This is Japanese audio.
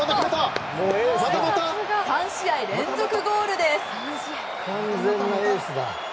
３試合連続ゴールです。